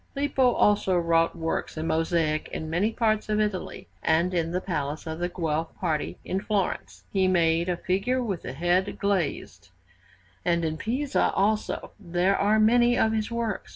Lippo also wrought works in mosaic in many parts of Italy, and in the Palace of the Guelph party in Florence he made a figure with the head glazed; and in Pisa, also, there are many of his works.